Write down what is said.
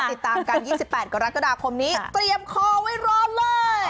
ติดตามกัน๒๘กรกฎาคมนี้เตรียมคอไว้รอเลย